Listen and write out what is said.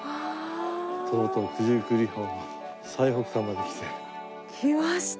とうとう九十九里浜の最北端まで来たよ。来ました。